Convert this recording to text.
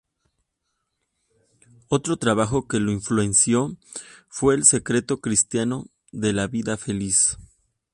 Otro trabajo que lo influenció fue El secreto cristiano de la Vida Feliz.